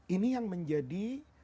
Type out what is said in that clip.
ini yang menjadi